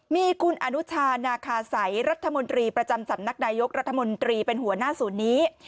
มีคุณอนุชานาคาสัยรัฐมนตรีประจำสำนักนายกรัฐมนตรีเป็นหัวหน้าศูนย์นี้